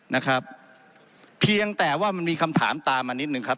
นะครับเพียงแต่ว่ามันมีคำถามตามมานิดนึงครับ